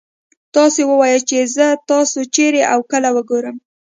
تاسو ووايئ چې زه تاسو چېرې او کله وګورم.